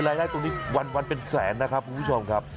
รายได้ตรงนี้วันเป็นแสนนะครับคุณผู้ชมครับ